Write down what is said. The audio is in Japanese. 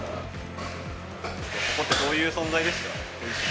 ここってどういう存在ですか？